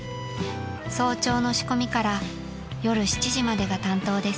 ［早朝の仕込みから夜７時までが担当です］